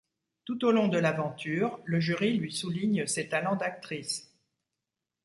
Tout au long de l'aventure, le jury lui souligne ses talents d'actrice.